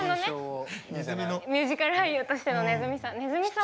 ミュージカル俳優としてのねずみさん。